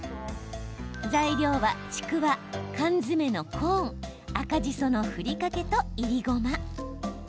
材料は、ちくわ、缶詰のコーン赤じそのふりかけといりごま。